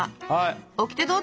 オキテどうぞ！